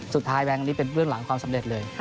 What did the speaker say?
แบงค์นี้เป็นเบื้องหลังความสำเร็จเลย